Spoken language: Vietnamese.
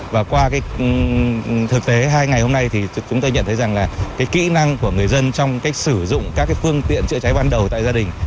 và qua thực tế hai ngày hôm nay thì chúng tôi nhận thấy rằng là kỹ năng của người dân trong cách sử dụng các phương tiện chữa cháy ban đầu tại gia đình